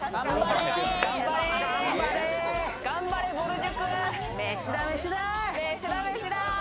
頑張れぼる塾。